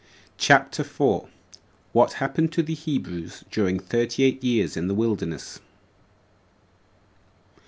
CHAPTER 4. What Happened To The Hebrews During Thirty Eight Years In The Wilderness.